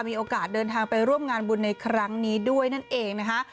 มีโอกาสเดินทางไปร่วมงานบุญในครั้งนี้ด้วยนั่นเองนะคะ